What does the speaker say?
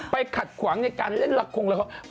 ไปขัดขวางในการเล่นละครงเหลือเขา